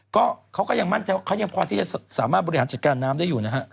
ก็เขาก็ยังมั่นใจว่าเขายังพอที่จะสามารถบริหารจัดการน้ำได้อยู่นะฮะ